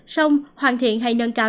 xong hoàn thiện hay nâng cao